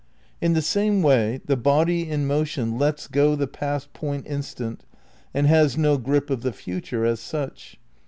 In the same way the body in motion lets go the past point instant and has no grip of the future as such.